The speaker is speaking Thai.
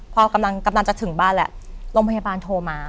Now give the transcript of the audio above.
พอกำลังจะถึงบ้านแล้วโรงพยาบาลโทรมา